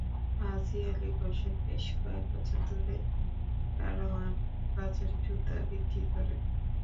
হাজি আলী হোসেন বেশ কয়েক বছর ধরে কারওয়ান বাজারে জুতা বিক্রি করেন।